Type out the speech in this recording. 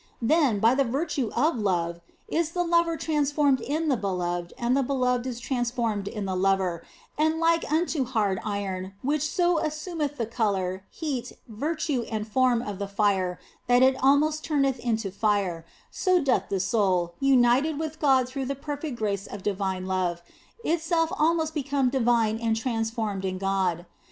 Then, by the virtue of love, is the lover transformed in the beloved and the beloved is transformed in the lover, and like unto hard iron which so assumeth the colour, heat, virtue, and form of the fire that it almost turneth into fire, so doth the soul, united with God through the perfect grace of divine love, itself almost become divine and transformed in God.